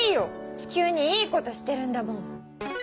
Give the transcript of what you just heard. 地球にいいことしてるんだもん！